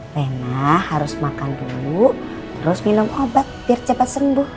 pena harus makan dulu terus minum obat biar cepat sembuh